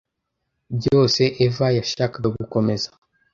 byose eva yashakaga gukomeza